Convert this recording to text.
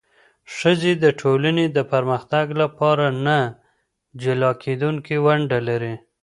ښځې د ټولنې د پرمختګ لپاره نه جلا کېدونکې ونډه لري.